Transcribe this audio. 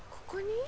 ここに？